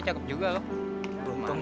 dia mau main